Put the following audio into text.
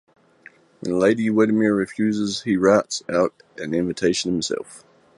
When Lady Windermere refuses, he writes out an invitation himself.